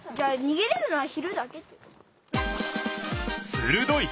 するどい！